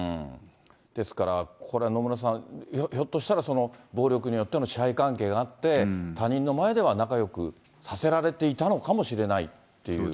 ですからこれ、野村さん、ひょっとしたら、暴力によっての支配関係があって、他人の前では仲よくさせられていたのかもしれないっていう。